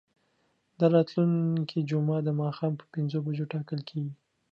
دا راتلونکې جمعه د ماښام په پنځو بجو ټاکل کیږي.